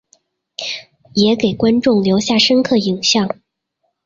也给观众留下深刻影象。